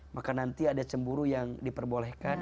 maka nanti ada cemburu yang diperbolehkan